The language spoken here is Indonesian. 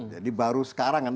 jadi baru sekarang kan